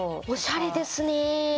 おしゃれですね。